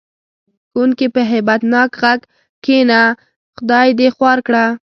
ښوونکي په هیبت ناک غږ: کېنه خدای دې خوار کړه.